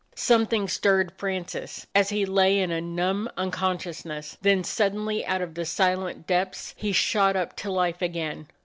Something stirred Francis, as he lay in a numb unconsciousness; then suddenly out of the silent depths he shot up to life again.